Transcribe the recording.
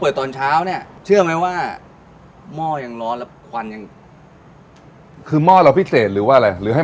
พี่จะปิดเอาไว้